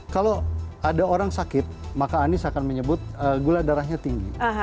kalau ada orang sakit maka anies akan menyebut gula darahnya tinggi